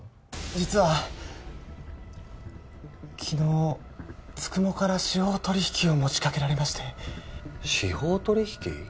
実は昨日九十九から司法取引を持ちかけられまして司法取引？